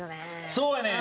そうやねん。